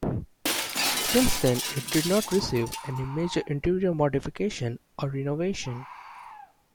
Since then, it did not receive any major interior modifications or renovations.